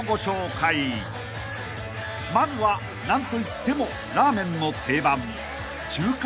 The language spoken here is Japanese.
［まずは何といってもラーメンの定番］